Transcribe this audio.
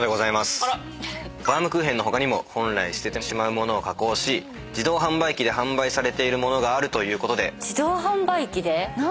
バウムクーヘンの他にも本来捨ててしまう物を加工し自動販売機で販売されている物があるということで。